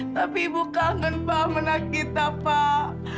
tapi ibu kangen bawa anak kita pak